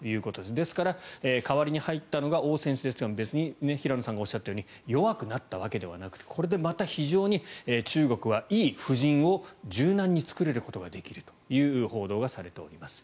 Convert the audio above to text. ですから、代わりに入ったのがオウ選手ですが別に、平野さんがおっしゃったように弱くなったわけではなくてこれでまた非常に、中国はいい布陣を柔軟に作ることができるという報道がされております。